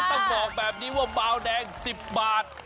ต้องบอกแบบนี้ว่าเบาแดง๑๐บาท